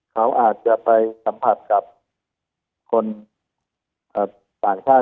เขาอาจจะไปสัมผัสกับคนต่างชาติ